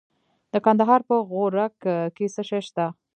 د کندهار په غورک کې څه شی شته؟